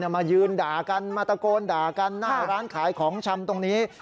มายืนด่ากันมาตะโกนด่ากันหน้าร้านขายของชำตรงนี้